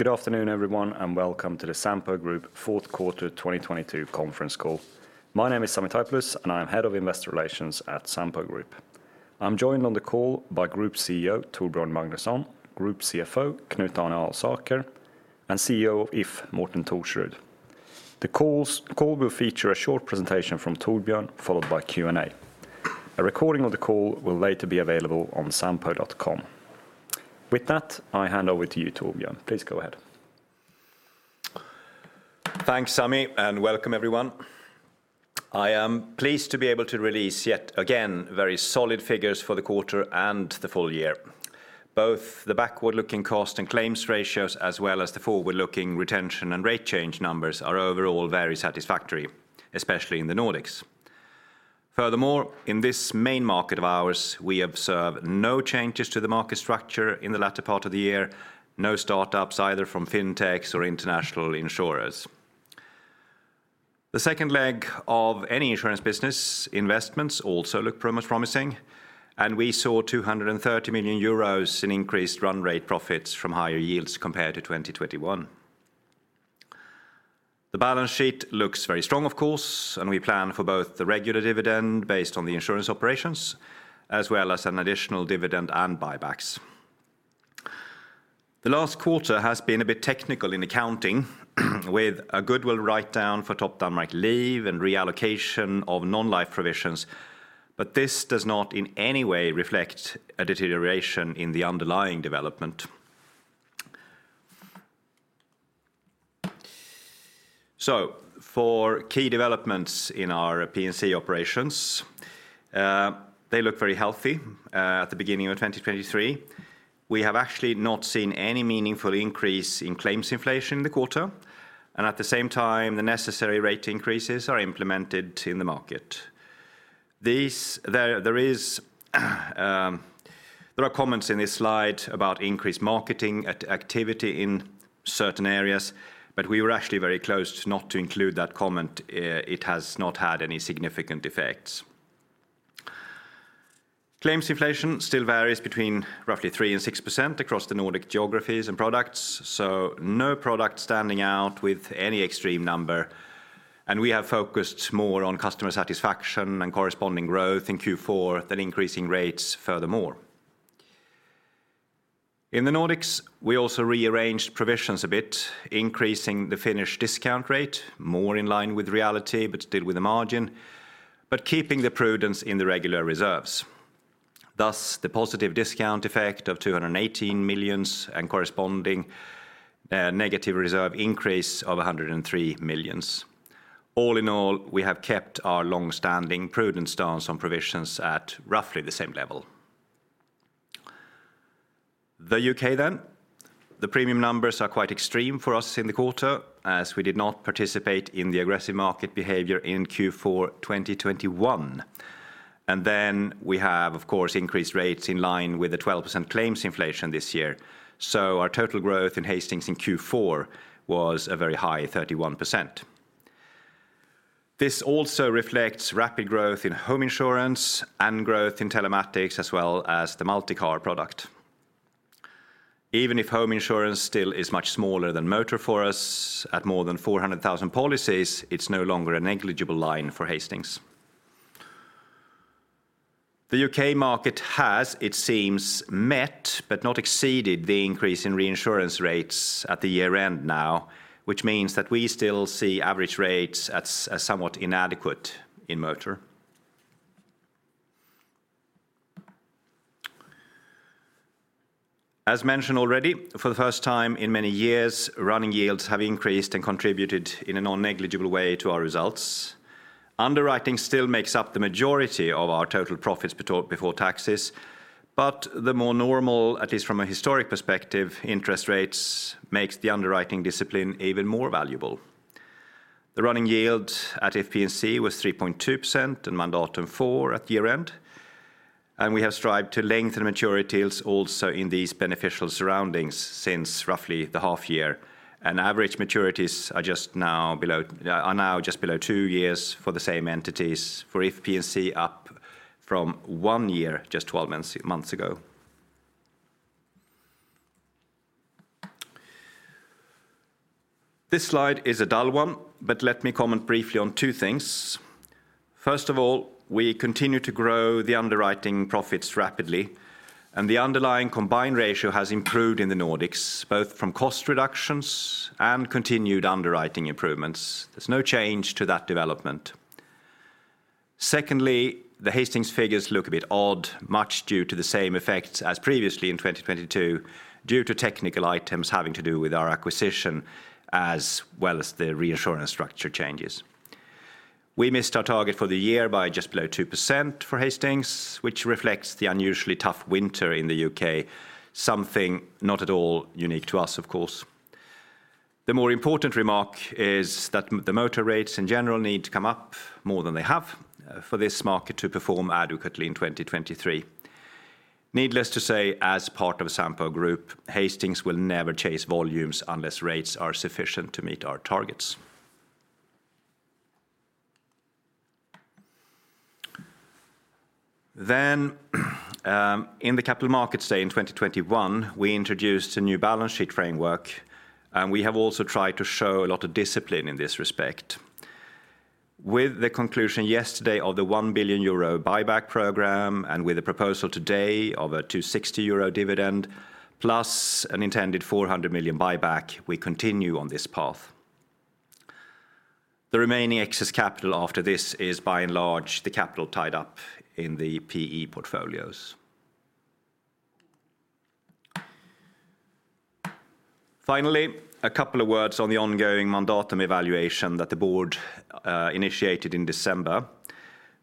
Good afternoon everyone, welcome to the Sampo Group fourth quarter 2022 conference call. My name is Sami Taipalus, and I'm Head of Investor Relations at Sampo Group. I'm joined on the call by Group CEO Torbjörn Magnusson, Group CFO Knut Arne Alsaker, and CEO of If Morten Thorsrud. The call will feature a short presentation from Torbjörn followed by Q&A. A recording of the call will later be available on sampo.com. With that, I hand over to you, Torbjörn. Please go ahead. Thanks, Sami, and welcome everyone. I am pleased to be able to release yet again very solid figures for the quarter and the full year. Both the backward-looking cost and claims ratios, as well as the forward-looking retention and rate change numbers are overall very satisfactory, especially in the Nordics. Furthermore, in this main market of ours, we observe no changes to the market structure in the latter part of the year, no startups either from FinTechs or international insurers. The second leg of any insurance business investments also look promising, and we saw 230 million euros in increased run rate profits from higher yields compared to 2021. The balance sheet looks very strong of course, and we plan for both the regular dividend based on the insurance operations, as well as an additional dividend and buybacks. The last quarter has been a bit technical in accounting with a goodwill writedown for Topdanmark Liv and reallocation of non-life provisions. This does not in any way reflect a deterioration in the underlying development. For key developments in our P&C operations, they look very healthy at the beginning of 2023. We have actually not seen any meaningful increase in claims inflation in the quarter, and at the same time, the necessary rate increases are implemented in the market. There are comments in this slide about increased marketing at activity in certain areas, but we were actually very close not to include that comment. It has not had any significant effects. Claims inflation still varies between roughly 3% and 6% across the Nordic geographies and products. No product standing out with any extreme number. We have focused more on customer satisfaction and corresponding growth in Q4 than increasing rates furthermore. In the Nordics, we also rearranged provisions a bit, increasing the Finnish discount rate more in line with reality, but still with a margin, but keeping the prudence in the regular reserves. Thus, the positive discount effect of 218 million and corresponding negative reserve increase of 103 million. All in all, we have kept our long-standing prudent stance on provisions at roughly the same level. The U.K., the premium numbers are quite extreme for us in the quarter, as we did not participate in the aggressive market behavior in Q4 2021. We have, of course, increased rates in line with the 12% claims inflation this year, so our total growth in Hastings in Q4 was a very high 31%. This also reflects rapid growth in home insurance and growth in telematics, as well as the Multi Car product. Even if home insurance still is much smaller than motor for us at more than 400,000 policies, it's no longer a negligible line for Hastings. The U.K. market has, it seems, met but not exceeded the increase in reinsurance rates at the year-end now, which means that we still see average rates as somewhat inadequate in motor. As mentioned already, for the first time in many years, running yields have increased and contributed in a non-negligible way to our results. Underwriting still makes up the majority of our total profits before taxes, but the more normal, at least from a historic perspective, interest rates makes the underwriting discipline even more valuable. The running yield at If P&C was 3.2% and Mandatum 4 at year-end. We have strived to lengthen maturities also in these beneficial surroundings since roughly the half year, average maturities are now just below two years for the same entities for If P&C up from one year just 12 months ago. This slide is a dull one, but let me comment briefly on two things. First of all, we continue to grow the underwriting profits rapidly, and the underlying combined ratio has improved in the Nordics, both from cost reductions and continued underwriting improvements. There's no change to that development. Secondly, the Hastings figures look a bit odd, much due to the same effects as previously in 2022 due to technical items having to do with our acquisition as well as the reinsurance structure changes. We missed our target for the year by just below 2% for Hastings, which reflects the unusually tough winter in the UK, something not at all unique to us, of course. The more important remark is that the motor rates in general need to come up more than they have for this market to perform adequately in 2023. Needless to say, as part of Sampo Group, Hastings will never chase volumes unless rates are sufficient to meet our targets. In the capital markets day in 2021, we introduced a new balance sheet framework. We have also tried to show a lot of discipline in this respect. With the conclusion yesterday of the 1 billion euro buyback program and with the proposal today of a 2.60 euro dividend plus an intended 400 million buyback, we continue on this path. The remaining excess capital after this is by and large the capital tied up in the PE portfolios. A couple of words on the ongoing Mandatum evaluation that the board initiated in December.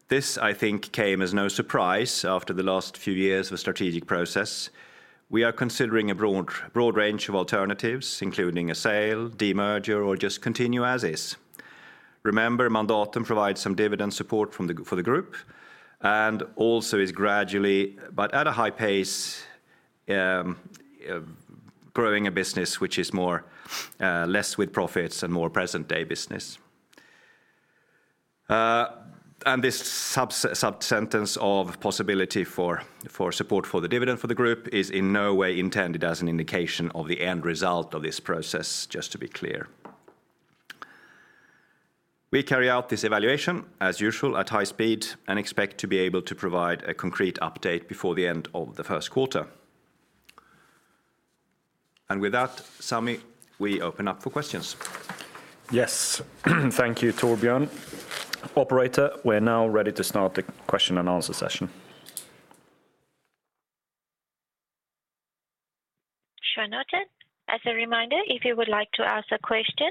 This, I think, came as no surprise after the last few years of strategic process. We are considering a broad range of alternatives, including a sale, demerger or just continue as is. Remember, Mandatum provides some dividend support for the group and also is gradually, but at a high pace, growing a business which is more less with-profits and more present day business. This sub sentence of possibility for support for the dividend for the group is in no way intended as an indication of the end result of this process, just to be clear. We carry out this evaluation as usual at high speed and expect to be able to provide a concrete update before the end of the first quarter. With that, Sammy, we open up for questions. Yes. Thank you, Torbjörn. Operator, we're now ready to start the question and answer session. Sure noted. As a reminder, if you would like to ask a question,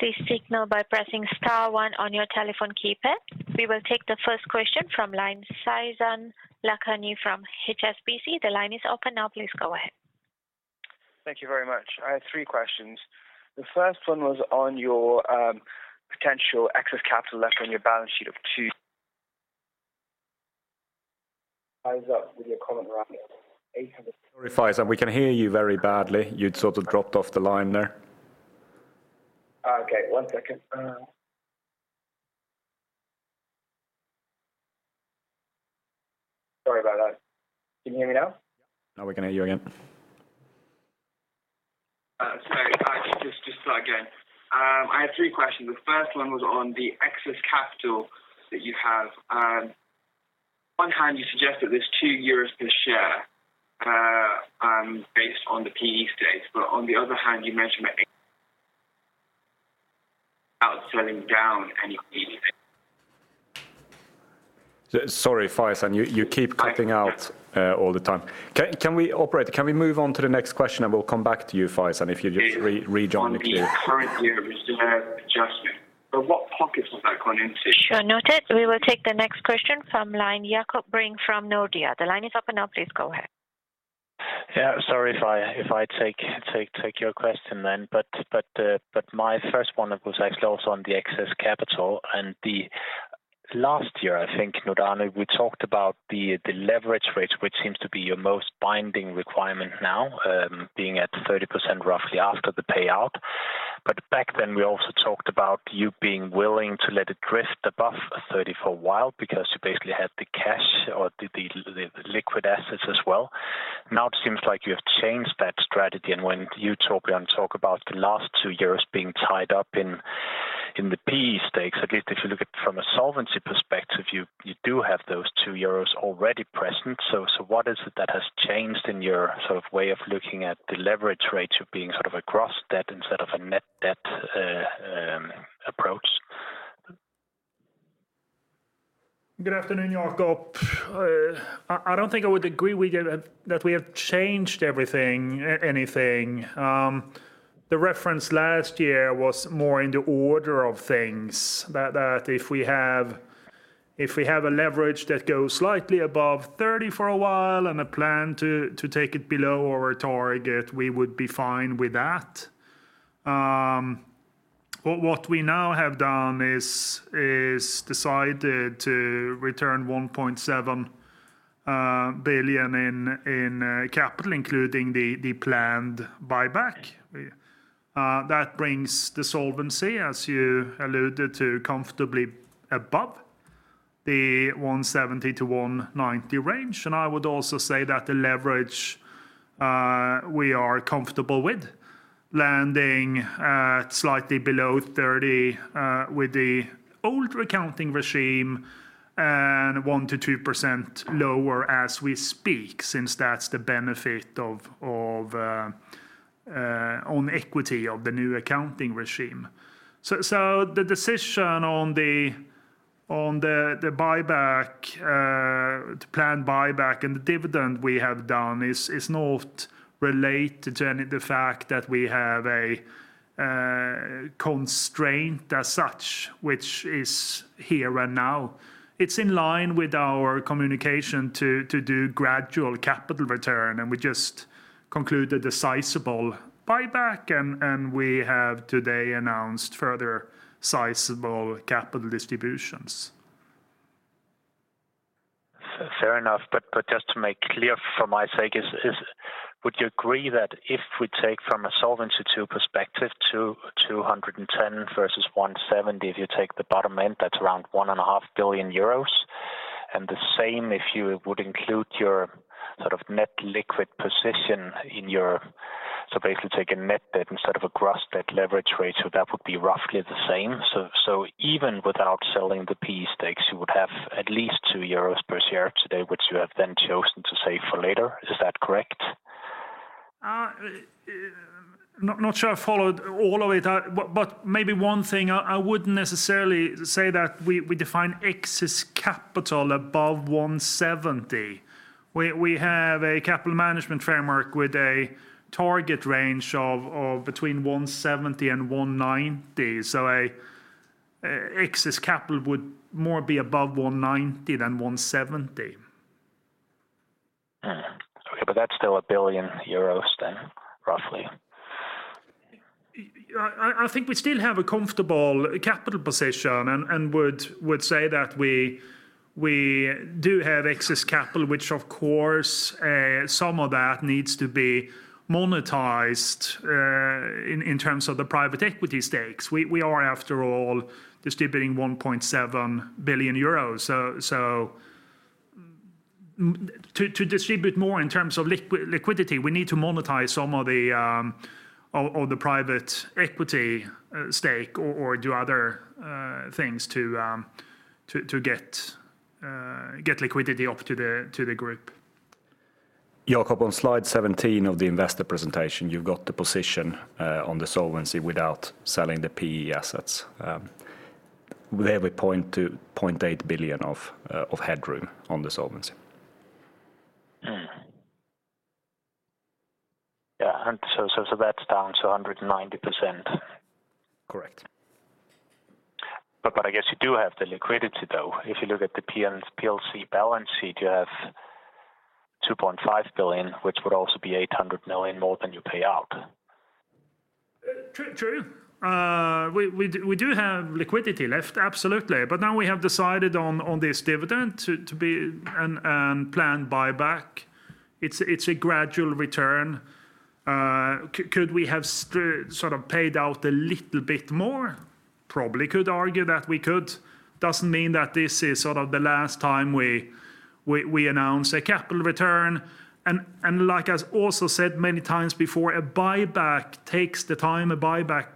please signal by pressing star 1 on your telephone keypad. We will take the first question from line Faizan Lakhani from HSBC. The line is open now. Please go ahead. Thank you very much. I have three questions. The first one was on your potential excess capital left on your balance sheet of two. Ties up with your comment around 800. Sorry, Faizan. We can hear you very badly. You'd sort of dropped off the line there. Okay, one second. Sorry about that. Can you hear me now? Now we can hear you again. Sorry. I just start again. I have three questions. The first one was on the excess capital that you have. One hand you suggest that there's 2 euros per share based on the PE stakes, but on the other hand, you mentioned that selling down any PE. Sorry, Faizan. You keep cutting out all the time. Operator, can we move on to the next question and we'll come back to you, Faizan, if you just rejoin the queue. On the current year reserve adjustment. What pockets has that gone into? Sure. Noted. We will take the next question from line Jakob Brink from Nordea. The line is open now. Please go ahead. Yeah. Sorry if I take your question then, but my first one was actually also on the excess capital. The last year, I think, Nordea, we talked about the leverage rates, which seems to be your most binding requirement now, being at 30% roughly after the payout. Back then, we also talked about you being willing to let it drift above 30 for a while because you basically had the cash or the liquid assets as well. It seems like you have changed that strategy. When you, Torbjörn, talk about the last two years being tied up in the PE stakes, at least if you look at from a solvency perspective, you do have those 2 euros already present. What is it that has changed in your sort of way of looking at the leverage rates of being sort of across debt instead of a net debt approach? Good afternoon, Jakob. I don't think I would agree that we have changed everything, anything. The reference last year was more in the order of things. If we have a leverage that goes slightly above 30 for a while and a plan to take it below our target, we would be fine with that. What we now have done is decided to return 1.7 billion in capital, including the planned buyback. That brings the solvency, as you alluded to, comfortably above the 170%-190% range. I would also say that the leverage, we are comfortable with landing at slightly below 30%, with the old accounting regime and 1%-2% lower as we speak, since that's the benefit of on equity of the new accounting regime. The decision on the buyback, the planned buyback and the dividend we have done is not related to any the fact that we have a constraint as such, which is here and now. It's in line with our communication to do gradual capital return, and we just concluded a sizable buyback and we have today announced further sizable capital distributions. Fair enough. Just to make clear for my sake is, would you agree that if we take from a Solvency II perspective to 210 versus 170, if you take the bottom end, that's around one and a half billion euros? The same if you would include your sort of net liquid position so basically take a net debt instead of a gross debt leverage rate. That would be roughly the same. so even without selling the PE stakes, you would have at least 2 euros per share today, which you have then chosen to save for later. Is that correct? Not sure I followed all of it. Maybe one thing, I wouldn't necessarily say that we define excess capital above 170. We have a capital management framework with a target range of between 170 and 190. An excess capital would more be above 190 than 170. Mm-hmm. Okay. That's still 1 billion euros then, roughly. I think we still have a comfortable capital position and would say that we do have excess capital, which of course, some of that needs to be monetized in terms of the private equity stakes. We are after all distributing 1.7 billion euros. To distribute more in terms of liquidity, we need to monetize some of the private equity stake or do other things to get liquidity up to the group. Jakob, on slide 17 of the investor presentation, you've got the position on the solvency without selling the PE assets. There we point to 0.8 billion of headroom on the solvency. Mm-hmm. Yeah. So that's down to 190%. Correct. I guess you do have the liquidity though. If you look at the PLC balance sheet, you have 2.5 billion, which would also be 800 million more than you pay out. True, true. We do have liquidity left, absolutely. Now we have decided on this dividend to be and planned buyback. It's a gradual return. Could we have sort of paid out a little bit more? Probably could argue that we could. Doesn't mean that this is sort of the last time we announce a capital return. Like I also said many times before, a buyback takes the time a buyback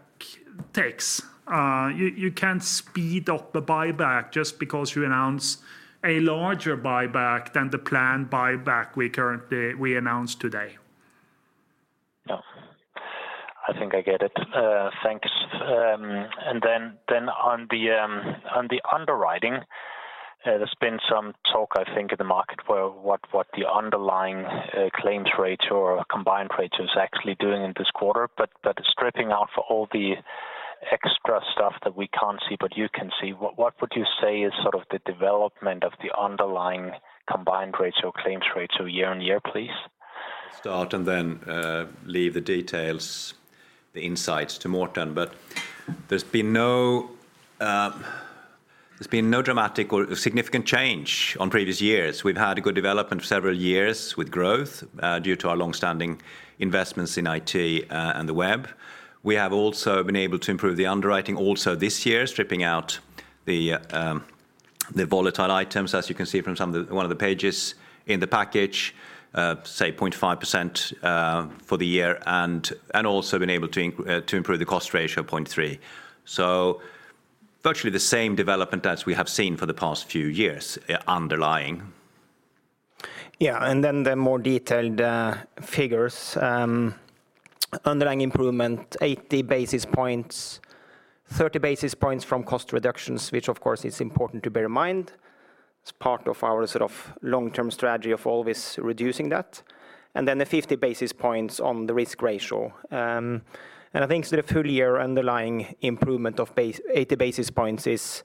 takes. You can't speed up a buyback just because you announce a larger buyback than the planned buyback we announced today. No. I think I get it. Thanks. On the underwriting, there's been some talk, I think, in the market for what the underlying claims rate or combined rate is actually doing in this quarter. Stripping out for all the extra stuff that we can't see, but you can see, what would you say is sort of the development of the underlying combined ratio claims ratio year-on-year, please? I'll start and then leave the details, the insights to Morten. There's been no dramatic or significant change on previous years. We've had a good development for several years with growth due to our long-standing investments in IT and the web. We have also been able to improve the underwriting also this year, stripping out the volatile items, as you can see from one of the pages in the package, say 0.5% for the year and also been able to improve the cost ratio 0.3%. Virtually the same development as we have seen for the past few years underlying. Yeah. Then the more detailed figures, underlying improvement 80 basis points, 30 basis points from cost reductions, which of course is important to bear in mind. It's part of our sort of long-term strategy of always reducing that. Then the 50 basis points on the risk ratio. I think the full year underlying improvement of base 80 basis points is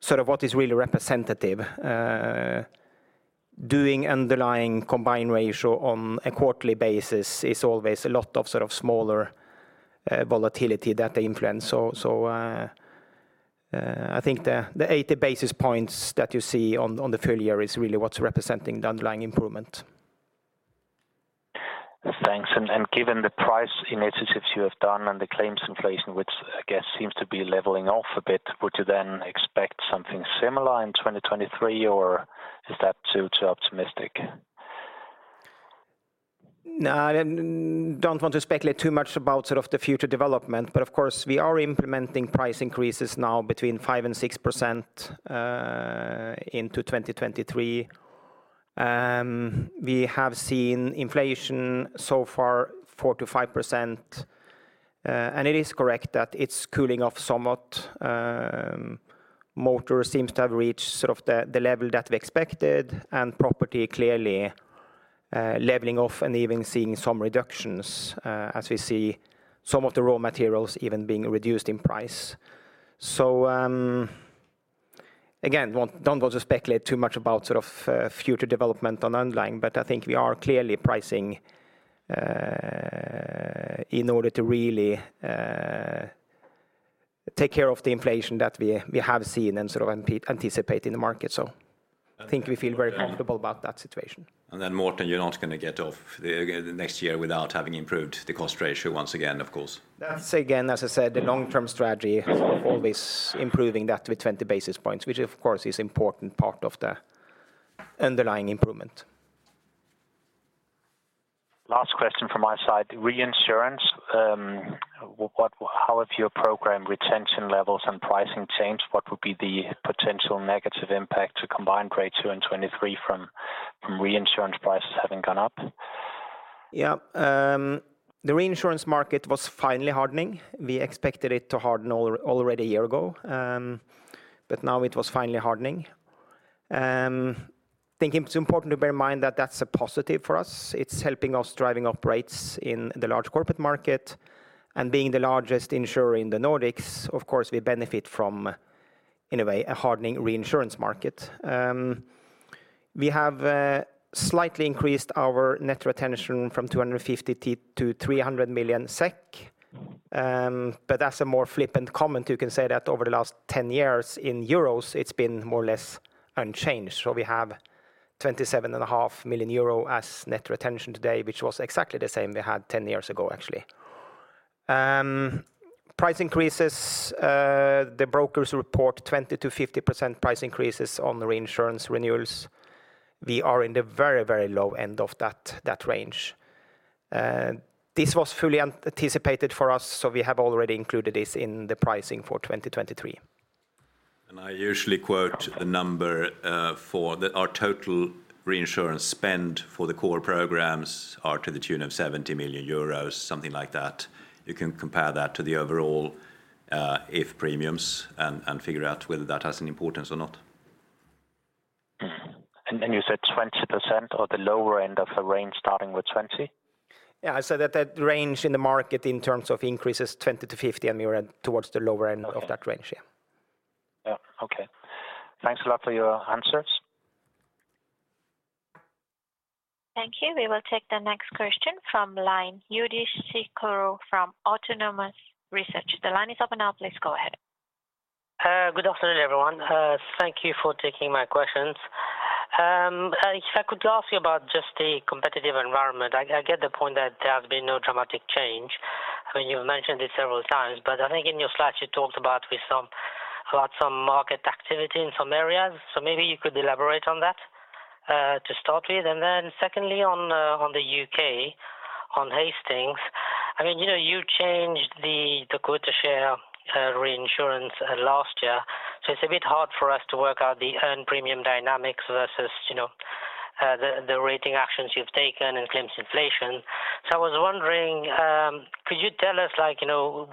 sort of what is really representative. Doing underlying combined ratio on a quarterly basis is always a lot of sort of smaller volatility that they influence. I think the 80 basis points that you see on the full year is really what's representing the underlying improvement. Thanks. Given the price initiatives you have done and the claims inflation, which I guess seems to be leveling off a bit, would you then expect something similar in 2023, or is that too optimistic? No, I don't want to speculate too much about sort of the future development. Of course, we are implementing price increases now between 5%-6% into 2023. We have seen inflation so far 4%-5%. It is correct that it's cooling off somewhat. Motor seems to have reached sort of the level that we expected, and property clearly leveling off and even seeing some reductions as we see some of the raw materials even being reduced in price. Again, don't want to speculate too much about sort of future development on underlying. I think we are clearly pricing in order to really take care of the inflation that we have seen and sort of anticipate in the market. I think we feel very comfortable about that situation. Morten, you're not gonna get off the next year without having improved the cost ratio once again, of course. That's again, as I said, the long-term strategy of always improving that with 20 basis points, which of course is important part of the underlying improvement. Last question from my side. Reinsurance, how have your program retention levels and pricing changed? What would be the potential negative impact to combined ratio in 2023 from reinsurance prices having gone up? Yeah. The reinsurance market was finally hardening. We expected it to harden already a year ago, but now it was finally hardening. Thinking it's important to bear in mind that that's a positive for us. It's helping us driving up rates in the large corporate market and being the largest insurer in the Nordics, of course, we benefit from, in a way, a hardening reinsurance market. We have slightly increased our net retention from 250 to 300 million SEK. But as a more flippant comment, you can say that over the last 10 years in euros, it's been more or less unchanged. We have 27.5 million euro as net retention today, which was exactly the same we had 10 years ago, actually. Price increases, the brokers report 20% to 50% price increases on the reinsurance renewals. We are in the very, very low end of that range. This was fully anticipated for us, so we have already included this in the pricing for 2023. I usually quote the number, Our total reinsurance spend for the core programs are to the tune of 70 million euros, something like that. You can compare that to the overall, If premiums and figure out whether that has an importance or not. You said 20% or the lower end of the range starting with 20? Yeah. I said that that range in the market in terms of increases, 20%-50%, we were towards the lower end of that range, yeah. Yeah. Okay. Thanks a lot for your answers. Thank you. We will take the next question from line, Youdish Chicooree from Autonomous Research. The line is open now, please go ahead. Good afternoon, everyone. Thank you for taking my questions. If I could ask you about just the competitive environment. I get the point that there has been no dramatic change. I mean, you've mentioned it several times, but I think in your slides you talked about some market activity in some areas. Maybe you could elaborate on that to start with. Secondly, on the UK, on Hastings, I mean, you know, you changed the quota share reinsurance last year. It's a bit hard for us to work out the earned premium dynamics versus, you know, the rating actions you've taken and claims inflation. I was wondering, could you tell us, like, you know,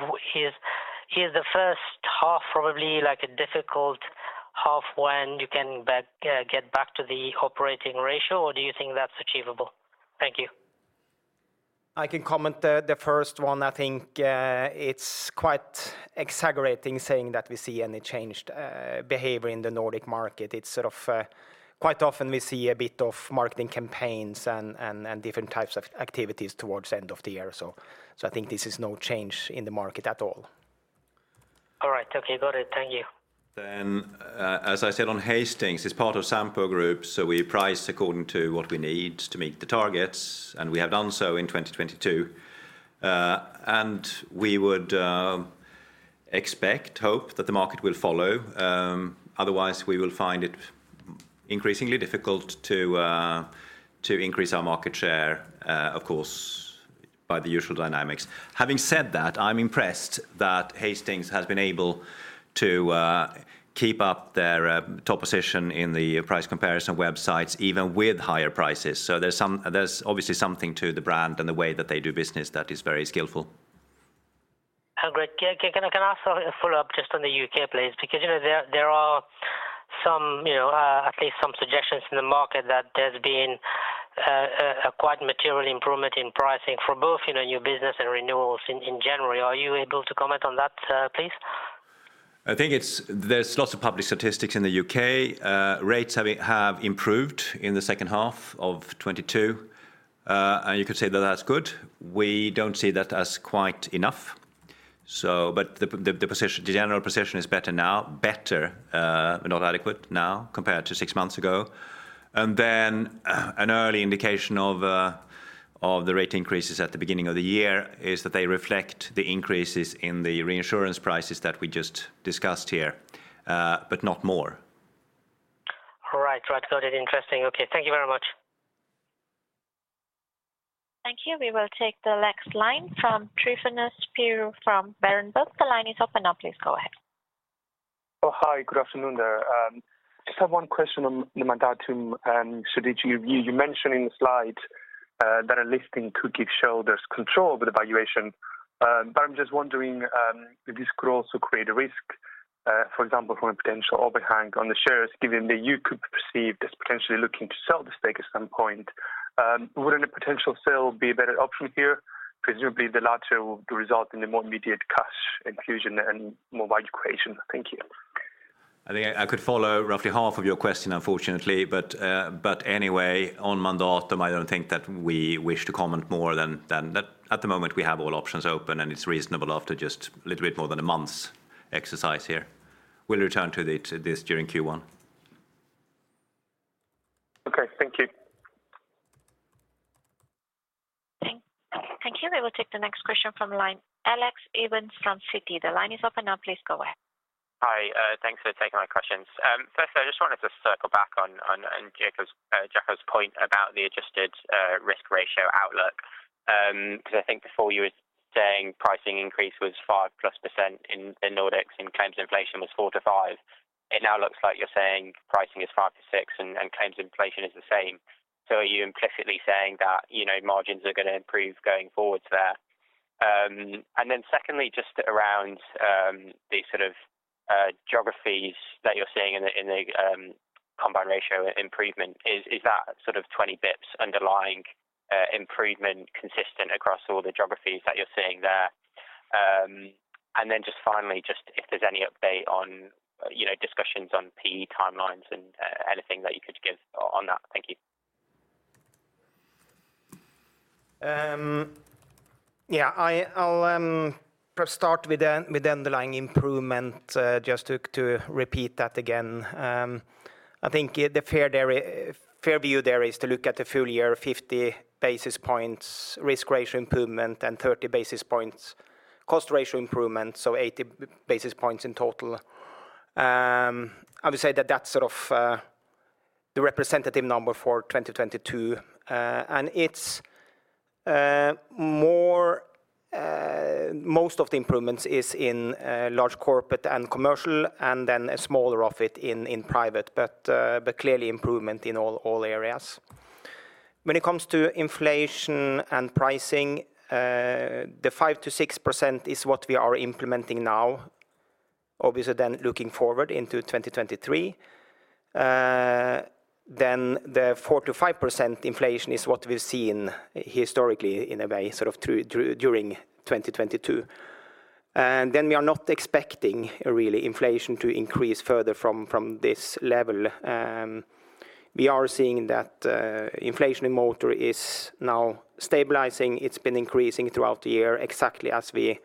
is the first half probably like a difficult half when you can back, get back to the operating ratio, or do you think that's achievable? Thank you. I can comment the first one. I think it's quite exaggerating saying that we see any changed behavior in the Nordic market. It's sort of quite often we see a bit of marketing campaigns and different types of activities towards end of the year. I think this is no change in the market at all. All right. Okay. Got it. Thank you. As I said on Hastings, it's part of Sampo Group, so we price according to what we need to meet the targets, and we have done so in 2022. We would expect, hope that the market will follow, otherwise we will find it increasingly difficult to increase our market share, of course, by the usual dynamics. Having said that, I'm impressed that Hastings has been able to keep up their top position in the price comparison websites, even with higher prices. There's some, there's obviously something to the brand and the way that they do business that is very skillful. Oh, great. Can I also follow up just on the UK, please? You know, there are some, you know, at least some suggestions in the market that there's been a quite material improvement in pricing for both, you know, new business and renewals in January. Are you able to comment on that, please? I think it's, there's lots of public statistics in the UK. Rates have improved in the second half of 2022. You could say that that's good. We don't see that as quite enough, but the general position is better now, better, but not adequate now compared to six months ago. An early indication of the rate increases at the beginning of the year is that they reflect the increases in the reinsurance prices that we just discussed here, but not more. All right. Right. Got it. Interesting. Okay. Thank you very much. Thank you. We will take the next line from Tryfonas Spyrou from Berenberg. The line is open now, please go ahead. Hi. Good afternoon there. Just have one question on the Mandatum. Did you mention in the slide that a listing could give shareholders control over the valuation. I'm just wondering if this could also create a risk, for example, from a potential overhang on the shares, given that you could be perceived as potentially looking to sell the stake at some point. Wouldn't a potential sale be a better option here? Presumably, the latter will result in a more immediate cash infusion and more value creation. Thank you. I think I could follow roughly half of your question, unfortunately. Anyway, on Mandatum, I don't think that we wish to comment more than that at the moment we have all options open, and it's reasonable after just a little bit more than a month's exercise here. We'll return to this during Q1. Okay. Thank you. Thank you. We will take the next question from line Alexander Evans from Citi. The line is open now, please go ahead. Hi, thanks for taking my questions. First I just wanted to circle back on Jakob's point about the adjusted risk ratio outlook, because I think before you were saying pricing increase was 5% in Nordics and claims inflation was 4%-5%. It now looks like you're saying pricing is 5%-6% and claims inflation is the same. Are you implicitly saying that, you know, margins are gonna improve going forwards there? Secondly, just around the sort of geographies that you're seeing in the combined ratio improvement, is that sort of 20 BPs underlying improvement consistent across all the geographies that you're seeing there? Then just finally, just if there's any update on, you know, discussions on PE timelines and anything that you could give on that. Thank you. Yeah. I'll start with the underlying improvement, just repeat that again. I think the fair view there is to look at the full year 50 basis points risk ratio improvement and 30 basis points cost ratio improvement, so 80 basis points in total. I would say that that's sort of the representative number for 2022, and it's more. Most of the improvements is in large corporate and commercial and then a smaller of it in private, but clearly improvement in all areas. When it comes to inflation and pricing, the 5%-6% is what we are implementing now, obviously then looking forward into 2023. Then the 4%-5% inflation is what we've seen historically in a way, sort of through during 2022. We are not expecting really inflation to increase further from this level. We are seeing that inflation in motor is now stabilizing. It's been increasing throughout the year exactly as we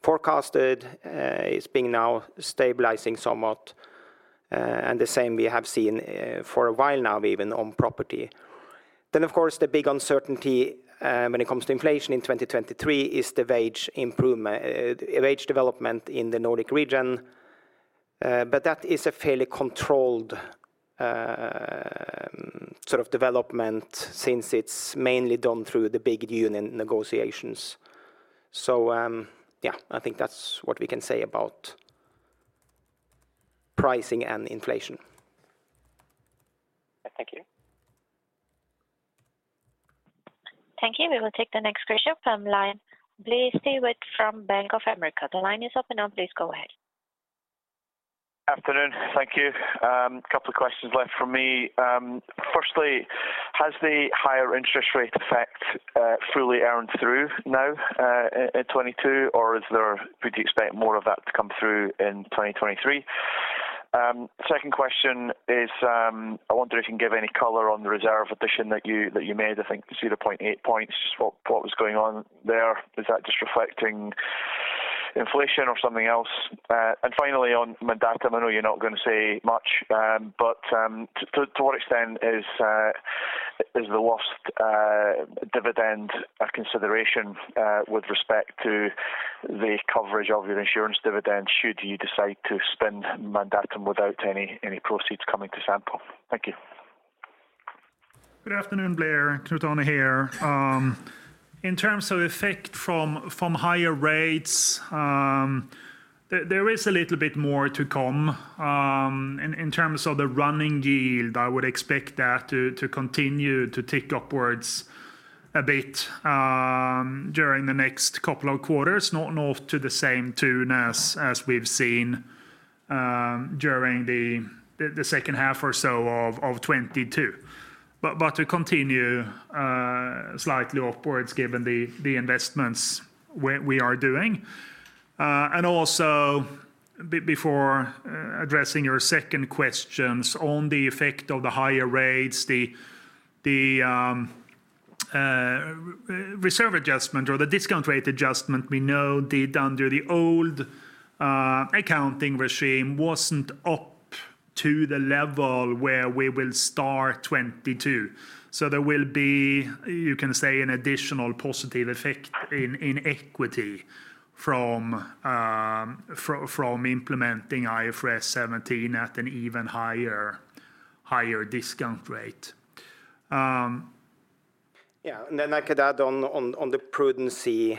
forecasted. It's been now stabilizing somewhat, and the same we have seen for a while now even on property. Of course the big uncertainty when it comes to inflation in 2023 is the wage development in the Nordic region, but that is a fairly controlled sort of development since it's mainly done through the big union negotiations. Yeah, I think that's what we can say about pricing and inflation. Thank you. Thank you. We will take the next question from line Blair Stewart from Bank of America. The line is open now, please go ahead. Afternoon. Thank you. Couple of questions left from me. Firstly, has the higher interest rate effect, fully earned through now, in 2022, or would you expect more of that to come through in 2023? Second question is, I wonder if you can give any color on the reserve addition that you made, I think 0.8 points. What was going on there? Is that just reflecting inflation or something else? Finally on Mandatum, I know you're not gonna say much, but to what extent is the lost dividend a consideration with respect to the coverage of your insurance dividend should you decide to spend Mandatum without any proceeds coming to Sampo? Thank you. Good afternoon, Blair. Knut Arne here. In terms of effect from higher rates, there is a little bit more to come. In terms of the running yield, I would expect that to continue to tick upwards a bit during the next couple of quarters, not to the same tune as we've seen during the second half or so of 2022. To continue slightly upwards given the investments we are doing. Also before addressing your second questions on the effect of the higher rates, the reserve adjustment or the discount rate adjustment we know did under the old accounting regime wasn't up to the level where we will start 2022. There will be, you can say, an additional positive effect in equity from implementing IFRS 17 at an even higher discount rate. I could add on the prudency.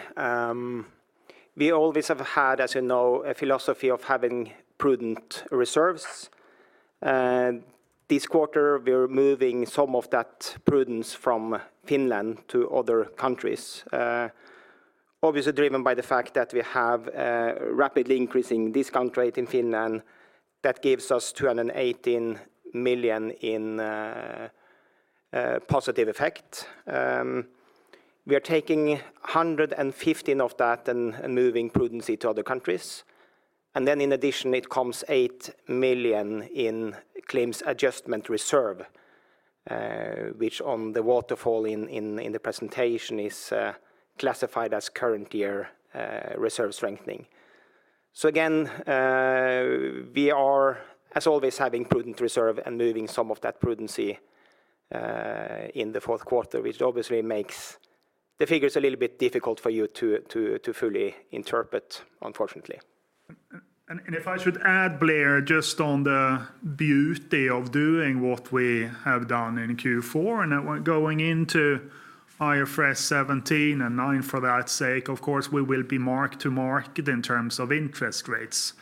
We always have had, as you know, a philosophy of having prudent reserves. This quarter we're moving some of that prudence from Finland to other countries, obviously driven by the fact that we have a rapidly increasing discount rate in Finland that gives us 218 million in positive effect. We are taking 115 million of that and moving prudency to other countries. In addition, it comes 8 million in claims equalisation reserve, which on the waterfall in the presentation is classified as current year reserve strengthening. We are as always, having prudent reserve and moving some of that prudency in the fourth quarter, which obviously makes the figures a little bit difficult for you to fully interpret, unfortunately. If I should add Blair, just on the beauty of doing what we have done in Q4 and now we're going into IFRS 17 and 9 for that sake, of course, we will be mark-to-market in terms of interest rates,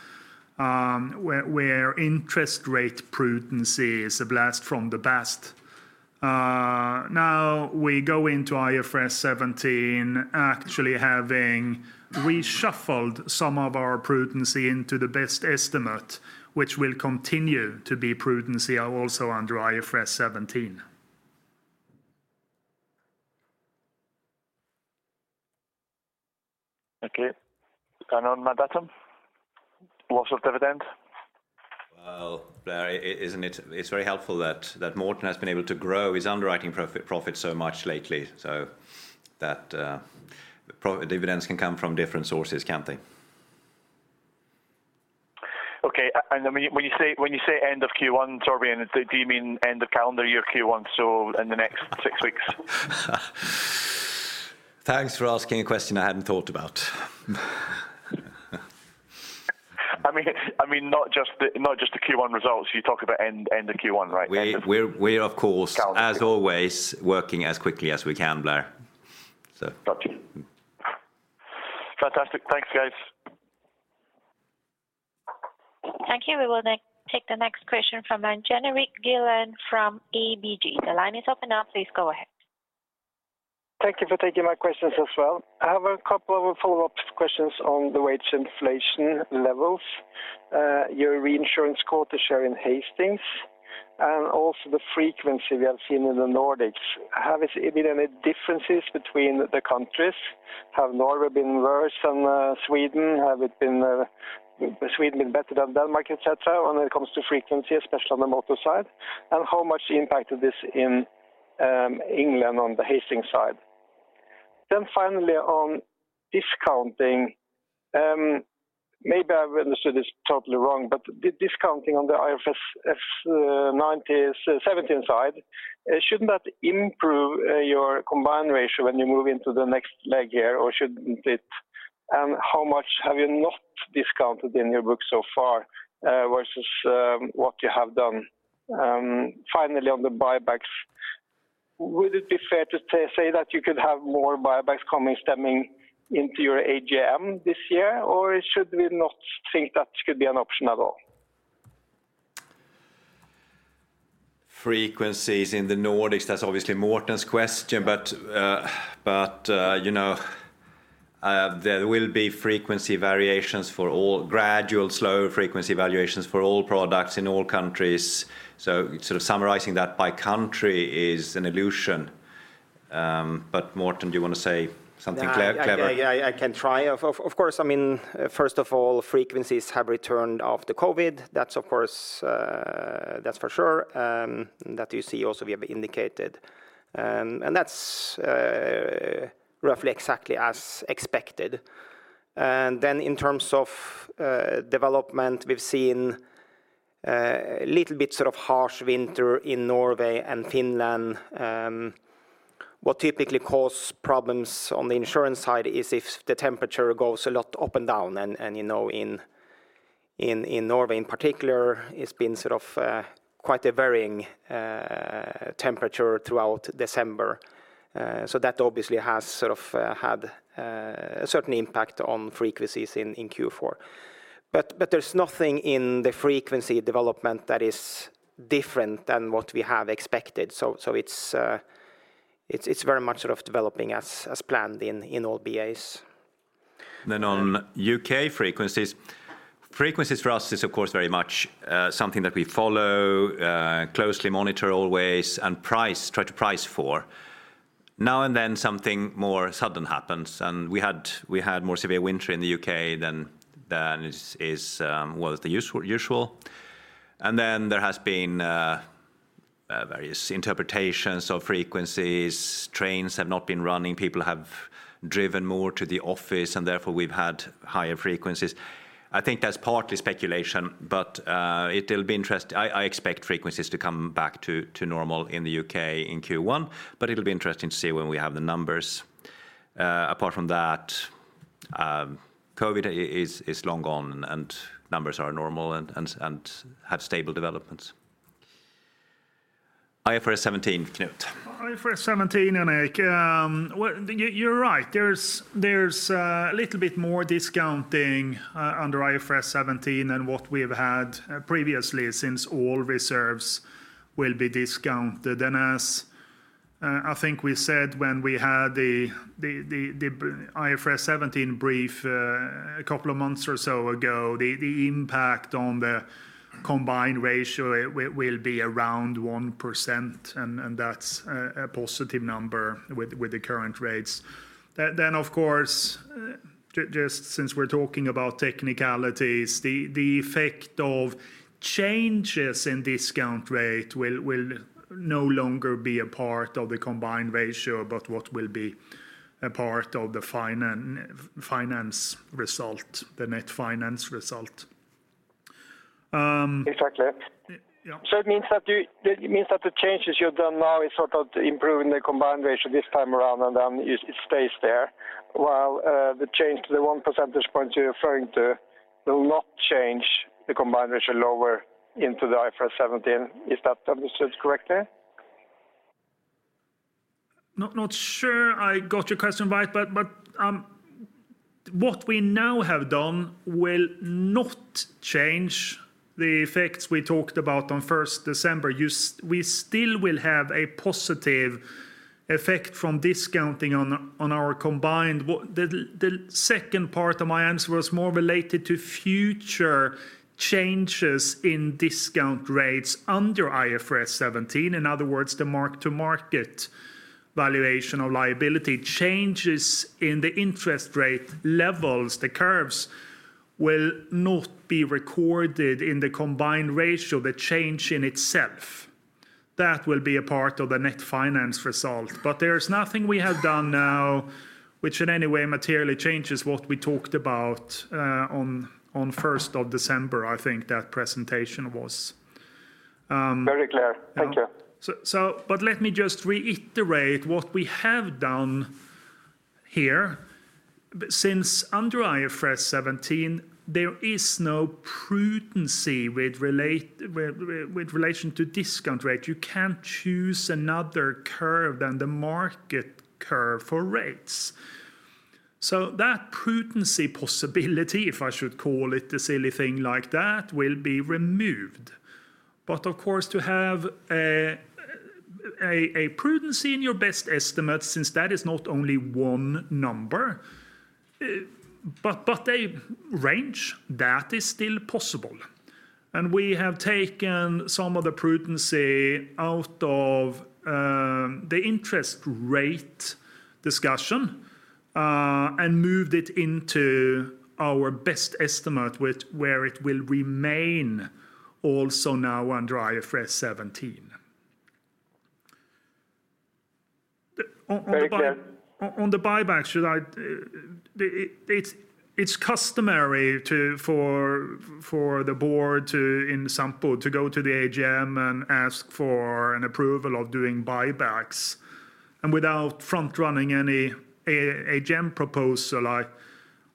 where interest rate prudency is a blast from the past. Now we go into IFRS 17 actually having reshuffled some of our prudency into the best estimate, which will continue to be prudency also under IFRS 17. Okay. On my bottom, loss of dividend. Well, Blair, it's very helpful that Morten has been able to grow his underwriting profit so much lately, that dividends can come from different sources, can't they? Okay. When you say end of Q1, Torbjörn, do you mean end of calendar year Q1, so in the next six weeks? Thanks for asking a question I hadn't thought about. I mean, not just the Q1 results. You talk about end of Q1, right? We're of course, as always working as quickly as we can, Blair. Got you. Fantastic. Thanks guys. Thank you. We will take the next question from Jan Erik Gjerland from ABG. The line is open now. Please go ahead. Thank you for taking my questions as well. I have a couple of follow-up questions on the wage inflation levels, your reinsurance quota share in Hastings, and also the frequency we have seen in the Nordics. Have been any differences between the countries? Have Norway been worse than Sweden? Have it been Sweden been better than Denmark, et cetera, when it comes to frequency, especially on the motor side? How much impact is this in England on the Hastings side? Finally on discounting, maybe I've understood this totally wrong, but did discounting on the IFRS 9, IFRS 17 side, shouldn't that improve your combined ratio when you move into the next leg year, or shouldn't it? How much have you not discounted in your book so far versus what you have done? Finally, on the buybacks, would it be fair to say that you could have more buybacks coming stemming into your AGM this year, or should we not think that could be an option at all? Frequencies in the Nordics, that's obviously Morten's question, but, you know, there will be frequency variations for all gradual slow frequency variations for all products in all countries. Sort of summarizing that by country is an illusion. Morten, do you wanna say something clever? I can try. Of course, I mean, first of all, frequencies have returned after COVID. That's of course, that's for sure. That you see also we have indicated, and that's roughly exactly as expected. In terms of development, we've seen little bit sort of harsh winter in Norway and Finland. What typically cause problems on the insurance side is if the temperature goes a lot up and down, you know, in Norway in particular, it's been sort of quite a varying temperature throughout December. That obviously has sort of had a certain impact on frequencies in Q4. There's nothing in the frequency development that is different than what we have expected so it's very much sort of developing as planned in all BAs. On UK frequencies. Frequencies for us is of course, very much, something that we follow, closely monitor always, and price, try to price for. Now and then something more sudden happens, and we had more severe winter in the UK than is usual. There has been various interpretations of frequencies. Trains have not been running, people have driven more to the office, and therefore we've had higher frequencies. I think that's partly speculation, but I expect frequencies to come back to normal in the UK in Q1, but it'll be interesting to see when we have the numbers. Apart from that, COVID is long gone and numbers are normal and have stable developments. IFRS 17, Knut Arne. IFRS 17, Jan-Erik. Well, you're right. There's a little bit more discounting under IFRS 17 than what we've had previously since all reserves will be discounted. As I think we said when we had the IFRS 17 brief a couple of months or so ago, the impact on the combined ratio it will be around 1%, and that's a positive number with the current rates. Of course, just since we're talking about technicalities, the effect of changes in discount rate will no longer be a part of the combined ratio, but what will be a part of the finance result, the net finance result. Exactly. Yeah. It means that the changes you've done now is sort of improving the combined ratio this time around, and then it stays there while the change to the 1 percentage point you're referring to will not change the combined ratio lower into the IFRS 17. Is that understood correctly? Not sure I got your question right, but what we now have done will not change the effects we talked about on first December. We still will have a positive effect from discounting on our combined. The second part of my answer was more related to future changes in discount rates under IFRS 17. In other words, the mark-to-market valuation of liability changes in the interest rate levels, the curves will not be recorded in the combined ratio, the change in itself. That will be a part of the net finance result. There's nothing we have done now which in any way materially changes what we talked about on first of December, I think that presentation was. Very clear. Thank you. Let me just reiterate what we have done here. Since under IFRS 17, there is no prudency with relation to discount rate. You can't choose another curve than the market curve for rates. That prudency possibility, if I should call it a silly thing like that, will be removed. Of course, to have a prudency in your best estimate since that is not only one number, but a range that is still possible. We have taken some of the prudency out of the interest rate discussion and moved it into our best estimate where it will remain also now under IFRS 17. Very clear. On the buyback, should I... it's customary to, for the board to, in Sampo to go to the AGM and ask for an approval of doing buybacks. Without front running any AGM proposal,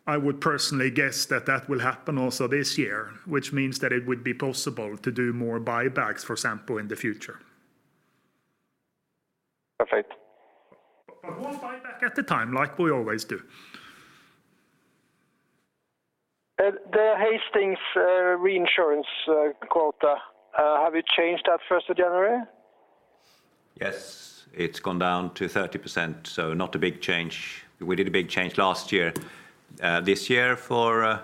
I would personally guess that that will happen also this year, which means that it would be possible to do more buybacks for Sampo in the future. Perfect. One buyback at a time like we always do. The Hastings reinsurance quota, have you changed that first of January? Yes. It's gone down to 30%, so not a big change. We did a big change last year. This year for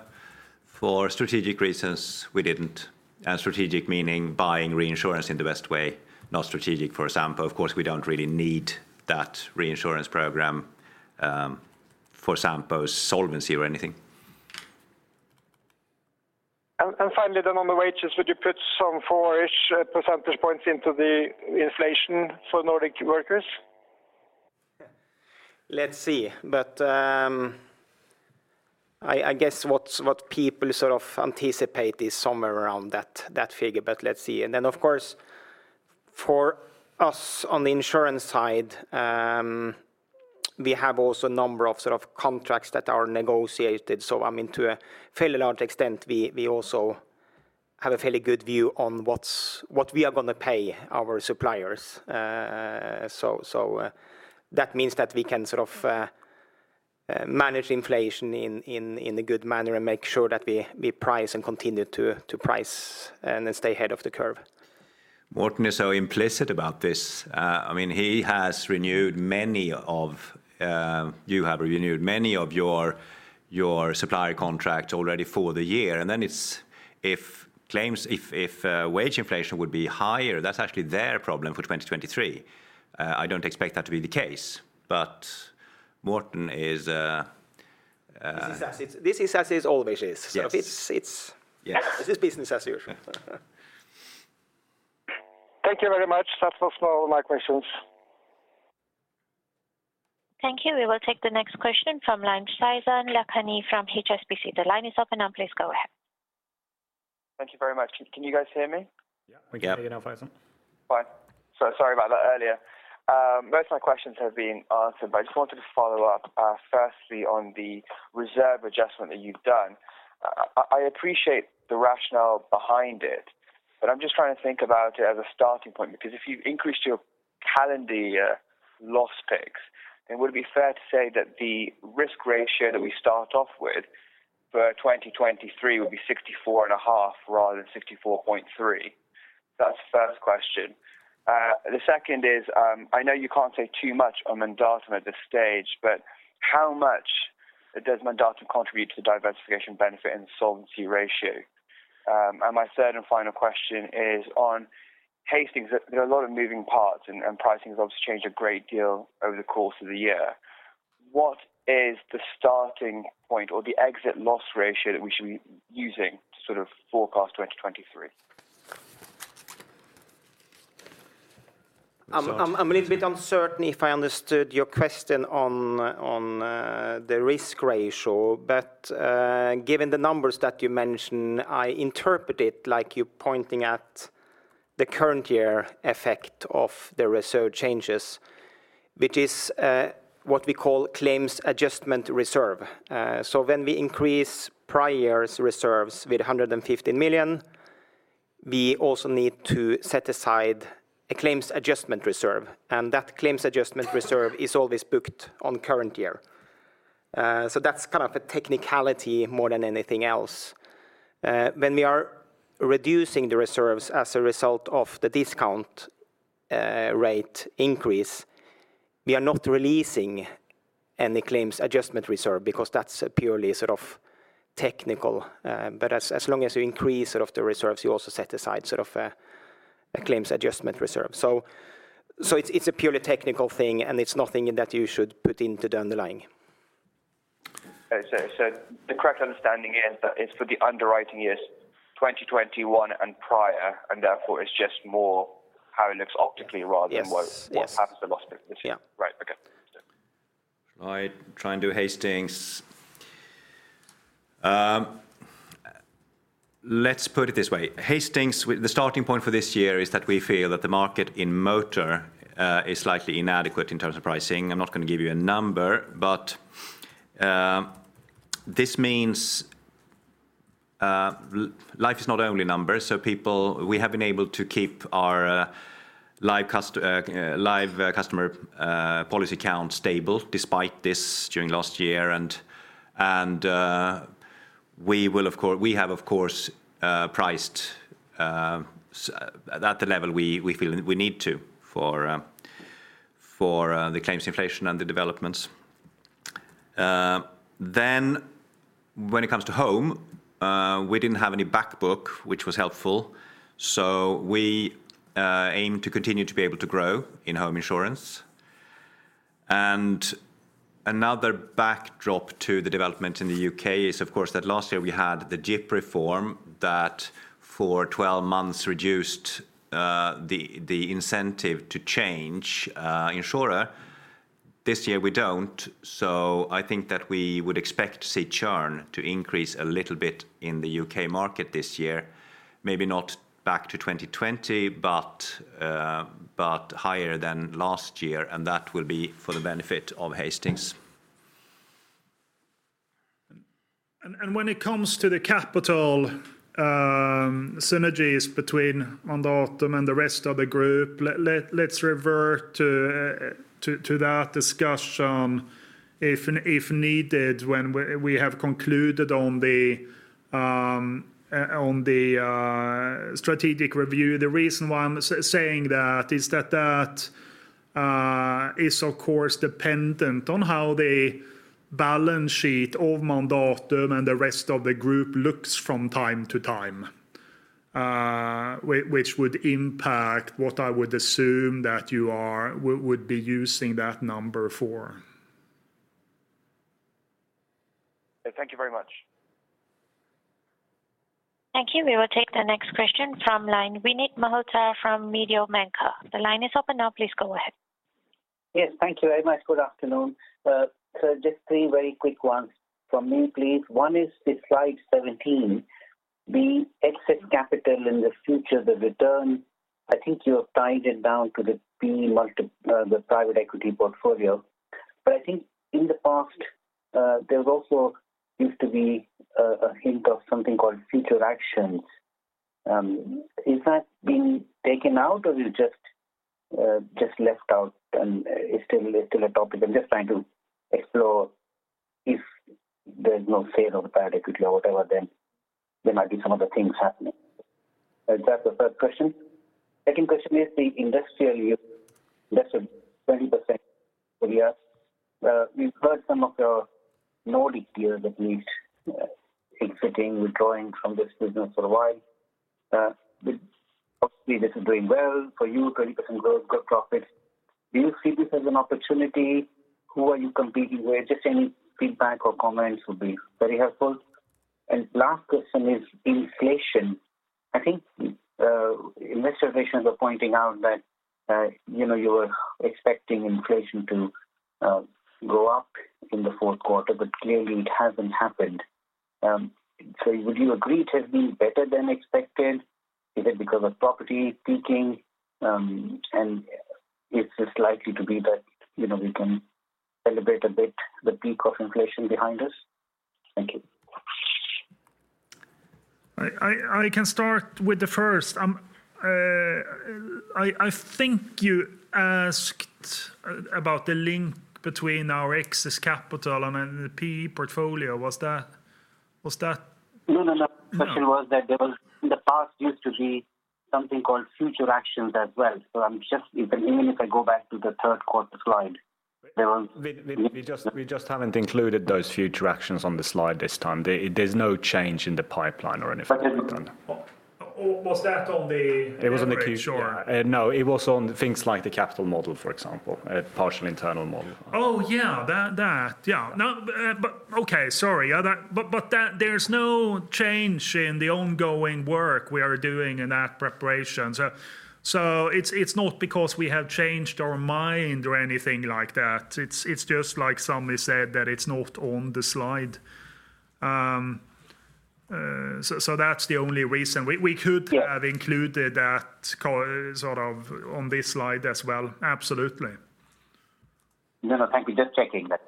strategic reasons, we didn't. Strategic meaning buying reinsurance in the best way, not strategic for Sampo. Of course, we don't really need that reinsurance program, for Sampo's solvency or anything. Finally on the wages, would you put some four-ish percentage points into the inflation for Nordic workers? Let's see. I guess what people sort of anticipate is somewhere around that figure, but let's see. Of course, for us on the insurance side, we have also a number of sort of contracts that are negotiated. I mean, to a fairly large extent, we also have a fairly good view on what's, what we are gonna pay our suppliers. That means that we can sort of manage inflation in a good manner and make sure that we price and continue to price and stay ahead of the curve. Morten is so implicit about this. I mean, he has renewed many of you have renewed many of your supplier contracts already for the year. Then it's if claims, if wage inflation would be higher, that's actually their problem for 2023. I don't expect that to be the case, Morten is. This is as is always is. Yes. So it's, It's just business as usual. Thank you very much. That was all my questions. Thank you. We will take the next question from Faizan Lakhani from HSBC. The line is open now. Please go ahead. Thank you very much. Can you guys hear me? Yeah. Yeah. Fine. Sorry about that earlier. Most of my questions have been answered, I just wanted to follow up, firstly on the reserve adjustment that you've done. I appreciate the rationale behind it, I'm just trying to think about it as a starting point because if you've increased your calendar year loss picks, would it be fair to say that the risk ratio that we start off with for 2023 would be 64.5 rather than 64.3? That's the first question. The second is, I know you can't say too much on Mandatum at this stage, how much does Mandatum contribute to the diversification benefit and solvency ratio? My third and final question is on Hastings. There are a lot of moving parts and pricing has obviously changed a great deal over the course of the year. What is the starting point or the exit loss ratio that we should be using to sort of forecast 2023? I'm a little bit uncertain if I understood your question on the risk ratio. Given the numbers that you mentioned, I interpret it like you're pointing at the current year effect of the reserve changes, which is what we call claims equalisation reserve. When we increase prior year's reserves with 150 million, we also need to set aside a claims equalisation reserve, and that claims equalisation reserve is always booked on current year. That's kind of a technicality more than anything else. When we are reducing the reserves as a result of the discount rate increase, we are not releasing any claims equalisation reserve because that's purely sort of technical. As long as you increase sort of the reserves, you also set aside sort of a claims equalisation reserve. It's a purely technical thing, and it's nothing that you should put into the underlying. The correct understanding is that it's for the underwriting years 2021 and prior, and therefore it's just more how it looks optically rather than what happens to loss ratio. Yes. Yes Yeah. Right. Okay. I try and do Hastings. Let's put it this way, Hastings, the starting point for this year is that we feel that the market in motor is slightly inadequate in terms of pricing. I'm not gonna give you a number, but this means life is not only numbers, so people... We have been able to keep our live customer policy count stable despite this during last year and we have, of course, priced at the level we feel we need to for the claims inflation and the developments. When it comes to home, we didn't have any back book, which was helpful, so we aim to continue to be able to grow in home insurance. Another backdrop to the development in the UK is, of course, that last year we had the GIPP reform that for 12 months reduced the incentive to change insurer. This year we don't, so I think that we would expect to see churn to increase a little bit in the UK market this year, maybe not back to 2020, but higher than last year, and that will be for the benefit of Hastings. When it comes to the capital synergies between Mandatum and the rest of the group, let's revert to that discussion if needed, when we have concluded on the strategic review. The reason why I'm saying that is that is of course dependent on how the balance sheet of Mandatum and the rest of the group looks from time to time, which would impact what I would assume that you would be using that number for. Thank you very much. Thank you. We will take the next question from line. Vinit Malhotra from Mediobanca. The line is open now. Please go ahead. Yes, thank you very much. Good afternoon. Just three very quick ones from me, please. One is the slide 17, the excess capital in the future, the return, I think you have tied it down to the PE, the private equity portfolio. I think in the past, there also used to be a hint of something called future actions. Has that been taken out or you just left out and it's still a topic? I'm just trying to explore if there's no sale of private equity or whatever, then there might be some other things happening. Is that the third question? Second question is the industrial use, less than 20% per year. We've heard some of your Nordic peers at least, exiting, withdrawing from this business for a while. Obviously, this is doing well for you, 20% growth, good profit. Do you see this as an opportunity? Who are you competing with? Just any feedback or comments would be very helpful. Last question is inflation. I think investors are pointing out that, you know, you were expecting inflation to go up in the fourth quarter, but clearly it hasn't happened. Would you agree it has been better than expected? Is it because of property peaking? Is this likely to be that, you know, we can celebrate a bit the peak of inflation behind us? Thank you. I can start with the first. I think you asked about the link between our excess capital and then the PE portfolio. Was that? No, no. No. The question was that there was in the past used to be something called future actions as well. I'm just even if I go back to the third quarter slide. We just haven't included those future actions on the slide this time. There's no change in the pipeline or anything like that. Was that on? It was on the queue. Yeah. It was on things like the capital model, for example, a partial internal model. Oh, yeah, that. Yeah. No, okay, sorry. That. There's no change in the ongoing work we are doing in that preparation. It's not because we have changed our mind or anything like that. It's just like Sammy said that it's not on the slide. That's the only reason we could have included that call sort of on this slide as well, absolutely. No, no, thank you. Just checking that.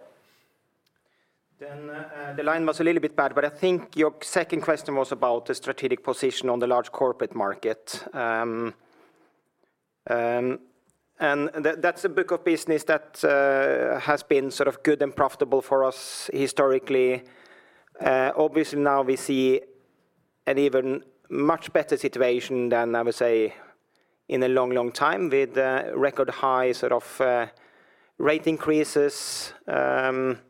The line was a little bit bad, but I think your second question was about the strategic position on the large corporate market. That's a book of business that has been sort of good and profitable for us historically. Obviously now we see an even much better situation than I would say in a long, long time with the record high sort of rate increases due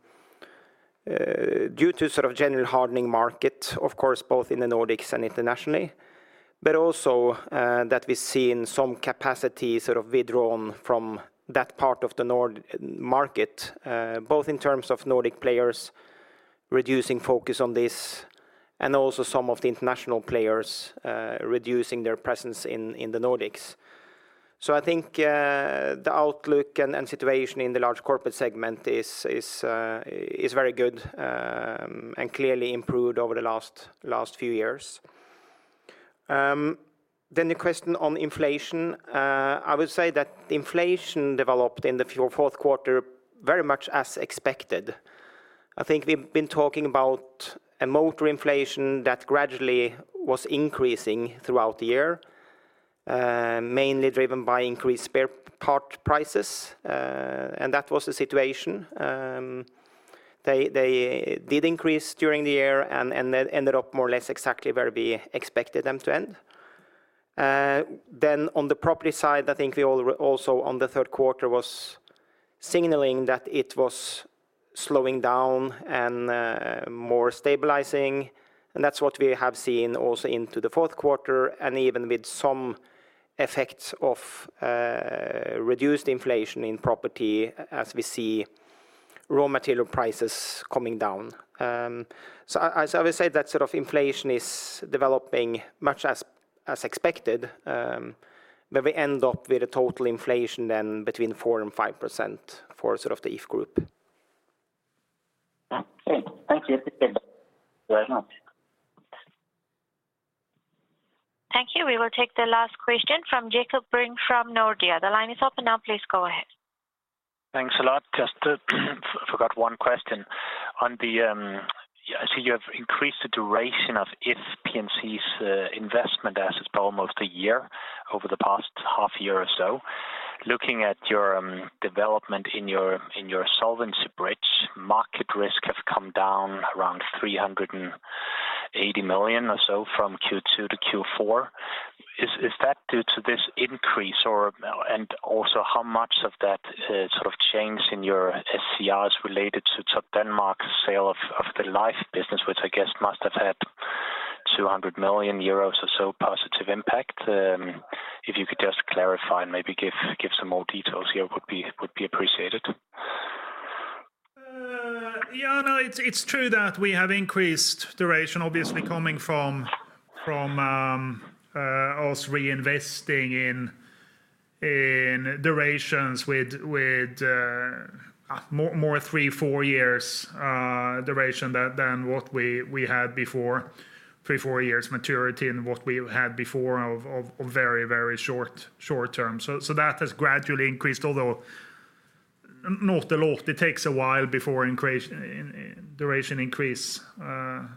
to sort of general hardening market, of course, both in the Nordics and internationally. Also that we're seeing some capacity sort of withdrawn from that part of the Nord market, both in terms of Nordic players reducing focus on this and also some of the international players reducing their presence in the Nordics. I think the outlook and situation in the large corporate segment is very good and clearly improved over the last few years. The question on inflation, I would say that inflation developed in the fourth quarter very much as expected. I think we've been talking about a motor inflation that gradually was increasing throughout the year, mainly driven by increased spare part prices, and that was the situation. They did increase during the year and then ended up more or less exactly where we expected them to end. On the property side, I think we all also on the third quarter was signaling that it was slowing down and more stabilizing, and that's what we have seen also into the fourth quarter and even with some effects of reduced inflation in property as we see raw material prices coming down. So as I would say, that sort of inflation is developing much as expected, where we end up with a total inflation then between 4% and 5% for sort of the If Group. Okay. Thank you Very much. Thank you. We will take the last question from Jakob Brink from Nordea. The line is open now, please go ahead. Thanks a lot. Just forgot one question. On the, I see you have increased the duration of If P&C's investment assets by almost a year over the past half year or so. Looking at your development in your solvency bridge, market risk have come down around 380 million or so from Q2 to Q4. Is that due to this increase or, also how much of that sort of change in your SCR is related to Topdanmark sale of the life business, which I guess must have had 200 million euros or so positive impact? If you could just clarify and maybe give some more details here would be appreciated. Yeah, no, it's true that we have increased duration, obviously coming from us reinvesting in durations with three, four years duration than what we had before, three, four years maturity than what we had before of very short term. That has gradually increased, although not a lot. It takes a while before duration increase when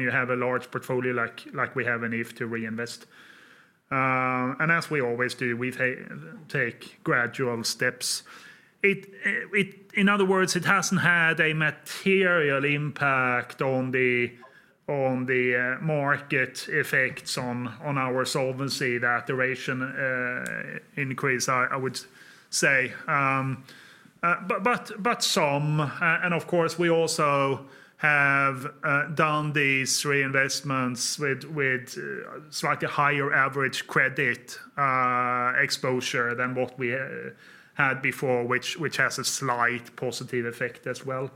you have a large portfolio like we have in If to reinvest. As we always do, we take gradual steps. In other words, it hasn't had a material impact on the market effects on our solvency, that duration increase, I would say. Some, and of course we also have done these reinvestments with slightly higher average credit exposure than what we had before, which has a slight positive effect as well.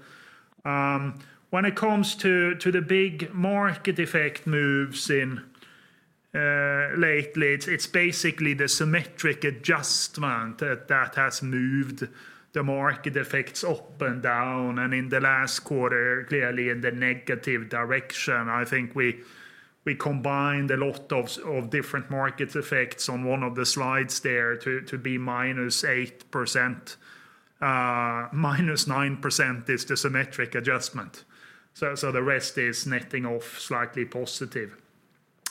When it comes to the big market effect moves in lately, it's basically the symmetric adjustment that has moved the market effects up and down, and in the last quarter, clearly in the negative direction. I think we combined a lot of different market effects on one of the slides there to be minus 8%, minus 9% is the symmetric adjustment. The rest is netting off slightly positive.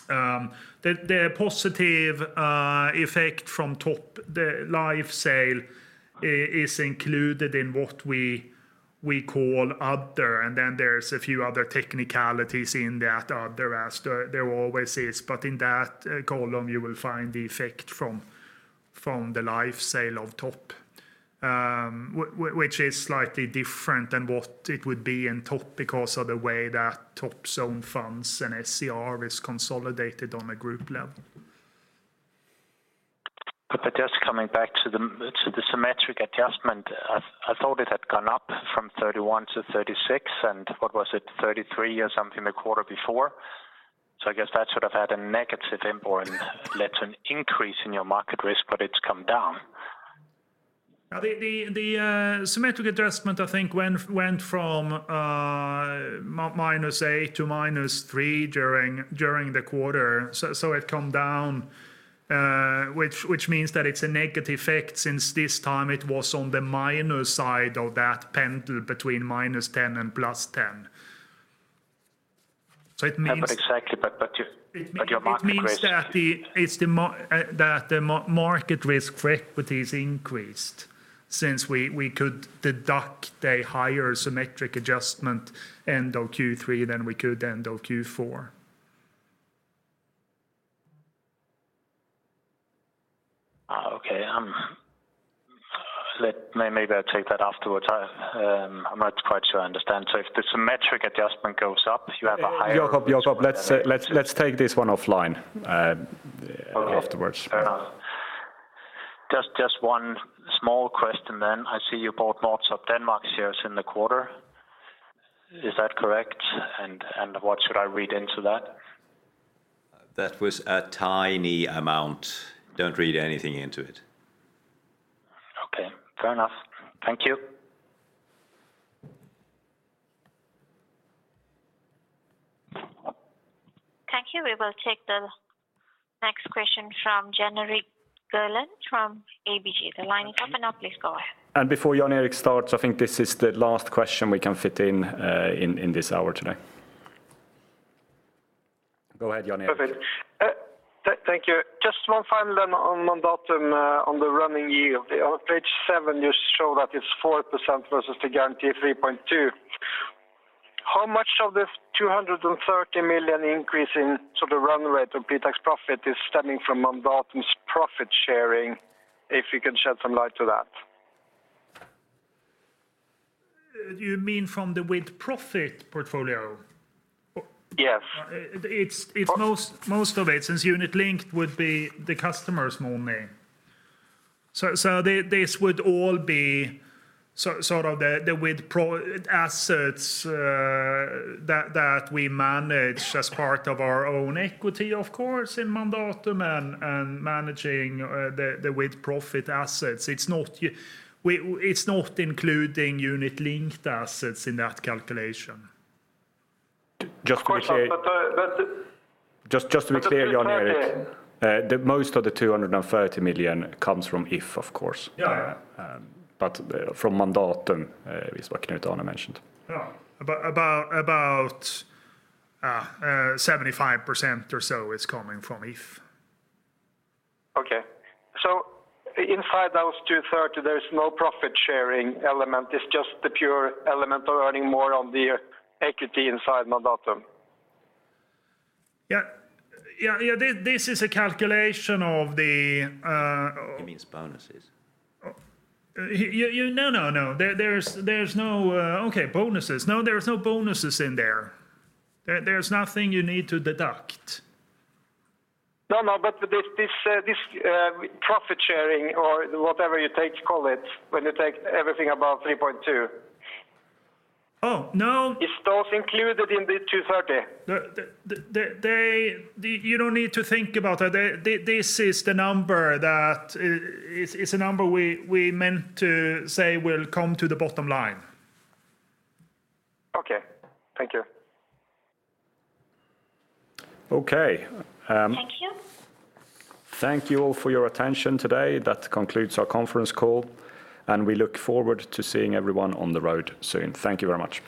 The positive effect from Top, the life sale is included in what we call other and then there's a few other technicalities in that other as there always is. In that column you will find the effect from the life sale of Top. Which is slightly different than what it would be in Top because of the way that Top's own funds and SCR is consolidated on a group level. Just coming back to the, to the symmetric adjustment. I thought it had gone up from 31 to 36 and what was it? 33 or something the quarter before. I guess that should have had a negative impact or led to an increase in your market risk, but it's come down. The symmetric adjustment I think went from -8 to -3 during the quarter. It come down which means that it's a negative effect since this time it was on the minus side of that pendulum between -10 and +10. It means. Yeah, exactly, but your. It means that market risk equities increased since we could deduct a higher symmetric adjustment end of Q3 than we could end of Q4. Okay. Maybe I'll take that afterwards. I'm not quite sure I understand. If the symmetric adjustment goes up you have a higher. Jakob, let's take this one offline afterwards. Okay, fair enough. Just one small question then. I see you bought more of Denmark shares in the quarter. Is that correct? What should I read into that? That was a tiny amount. Don't read anything into it. Okay, fair enough. Thank you. Thank you. We will take the next question from Jan-Erik Gørlund from ABG. The line is open now, please go ahead. Before Jan-Erik starts, I think this is the last question we can fit in this hour today. Go ahead, Jan-Erik. Perfect. thank you. Just one final then on Mandatum, on the running yield. On page 7 you show that it's 4% versus the guarantee of 3.2. How much of the 230 million increase in sort of run rate of pretax profit is stemming from Mandatum's profit sharing, if you can shed some light to that? You mean from the with-profits portfolio? Yes. It's most of it since unit-linked would be the customers' money. This would all be sort of the with-profits assets that we manage as part of our own equity, of course, in Mandatum and managing the with-profits assets. It's not including unit-linked assets in that calculation. Just to be clear. Of course. Just to be clear Jan-Erik. But the twenty. The most of the 230 million comes from If, of course. Yeah. From Mandatum is what Knut Arne mentioned. Yeah. About 75% or so is coming from If. Okay. Inside those two third there's no profit sharing element, it's just the pure element of earning more on the equity inside Mandatum? Yeah. Yeah, yeah, this is a calculation of the. He means bonuses. You. No, no. There, there's no. Okay, bonuses. No, there's no bonuses in there. There, there's nothing you need to deduct. No, no, this profit sharing or whatever you take to call it when you take everything above 3.2. Oh, no. Is those included in the 230? You don't need to think about that. This is the number that is a number we meant to say will come to the bottom line. Okay. Thank you. Okay. Thank you. Thank you all for your attention today. That concludes our conference call. We look forward to seeing everyone on the road soon. Thank you very much.